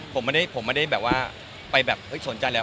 ผมไม่ได้ไปสนใจแหละ